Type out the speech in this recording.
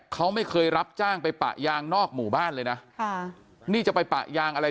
เขาไม่เคยรับจ้างไปปะยางนอกหมู่บ้านเลยนะค่ะนี่จะไปปะยางอะไร